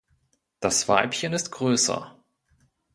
Das Weibchen ist größer.